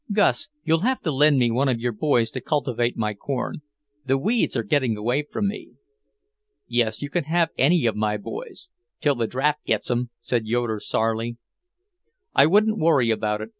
Gus, you'll have to lend me one of your boys to cultivate my corn. The weeds are getting away from me." "Yes, you can have any of my boys, till the draft gets 'em," said Yoeder sourly. "I wouldn't worry about it.